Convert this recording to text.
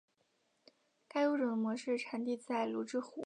该物种的模式产地在芦之湖。